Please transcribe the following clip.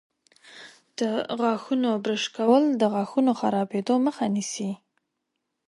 د غاښونو برش کول د غاښونو خرابیدو مخه نیسي.